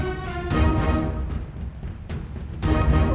kayak ada yang ngetuk jendela